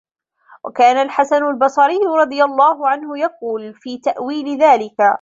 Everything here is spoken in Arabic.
وَكَانَ الْحَسَنُ الْبَصْرِيُّ رَضِيَ اللَّهُ عَنْهُ يَقُولُ فِي تَأْوِيلِ ذَلِكَ